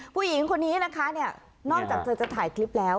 ผู้หญิงคนนี้นะคะเนี่ยนอกจากเธอจะถ่ายคลิปแล้ว